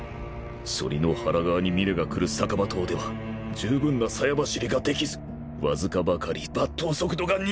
反りの腹側に峰がくる逆刃刀では十分なさや走りができずわずかばかり抜刀速度が鈍る